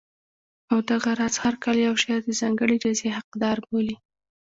او دغه راز هر کال یو شاعر د ځانګړې جایزې حقدار بولي